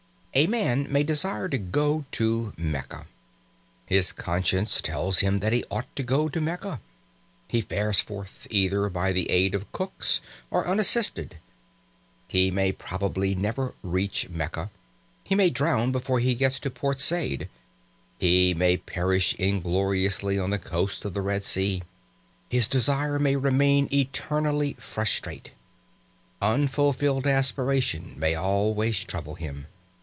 A man may desire to go to Mecca. His conscience tells him that he ought to go to Mecca. He fares forth, either by the aid of Cook's, or unassisted; he may probably never reach Mecca; he may drown before he gets to Port Said; he may perish ingloriously on the coast of the Red Sea; his desire may remain eternally frustrate. Unfulfilled aspiration may always trouble him.